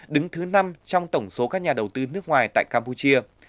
đứng thứ năm trong tổng số các nhà đầu tư nước ngoài tại campuchia